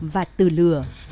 và từ lửa